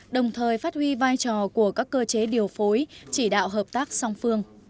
đồng thời phát huy vai trò của các cơ chế điều phối chỉ đạo hợp tác song phương